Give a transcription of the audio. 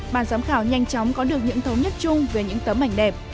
bàn giám khảo nhanh chóng có được những thống nhất chung về những tấm ảnh đẹp